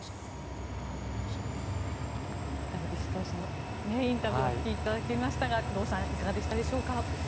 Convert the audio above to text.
ダルビッシュ投手のインタビューをお聞きいただきましたが工藤さんいかがでしたでしょうか。